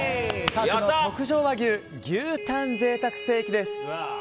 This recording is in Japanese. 閣の特上和牛牛たん贅沢ステーキです。